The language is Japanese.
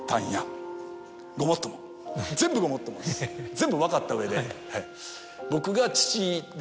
全部分かった上ではい。